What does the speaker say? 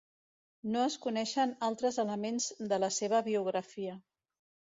No es coneixen altres elements de la seva biografia.